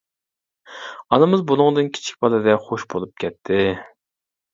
ئانىمىز بۇنىڭدىن كىچىك بالىدەك خوش بولۇپ كەتتى.